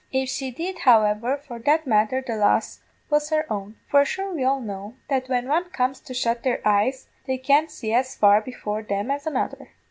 If she did, however, for that matther the loss was her own; for sure we all know that when one comes to shut their eyes they can't see as far before them as another.